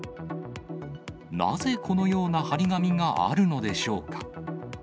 なぜ、このような貼り紙があるのでしょうか。